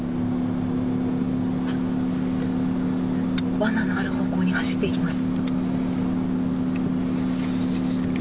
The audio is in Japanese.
罠のある方向に走っていきます。